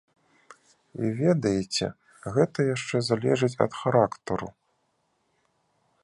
І ведаеце, гэта яшчэ залежыць ад характару.